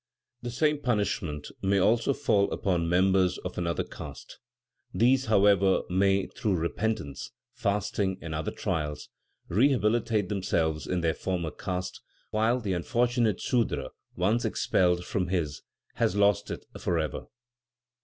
The same punishment may also fall upon members of another caste; these, however, may, through repentance, fasting and other trials, rehabilitate themselves in their former caste; while the unfortunate Sudra, once expelled from his, has lost it forever.